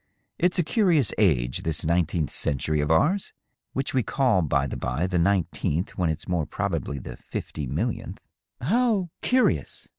" It's a curious age, this nineteenth century of ours — which we call, by the bye, the nineteenth, when it's more probably the fifty millionth." " How, curious